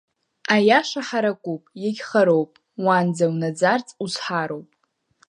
Аиаша ҳаракуп, иагьхароуп, уанӡа унаӡарцаз узҳароуп.